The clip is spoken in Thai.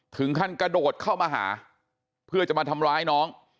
ถึงขั้นกระโดดเข้ามาหาเพื่อจะมาทำร้ายน้อง